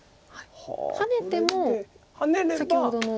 ハネても先ほどの。